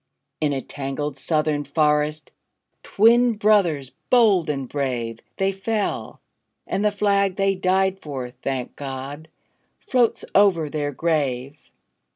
In a tangled Southern forest, Twin brothers bold and brave, They fell; and the flag they died for, Thank God! floats over their grave.